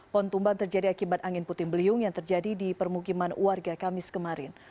pohon tumbang terjadi akibat angin puting beliung yang terjadi di permukiman warga kamis kemarin